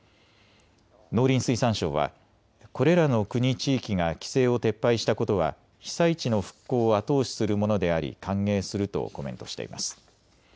農林水産省はこれらの国・地域が規制を撤廃したことは被災地の復興を後押しするものであり歓迎するとコメントしています。